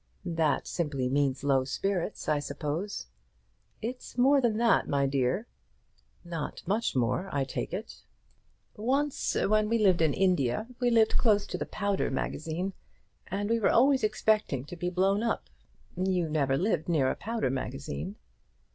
"That simply means low spirits, I suppose?" "It's more than that, my dear." "Not much more, I take it." "Once when we were in India we lived close to the powder magazine, and we were always expecting to be blown up. You never lived near a powder magazine."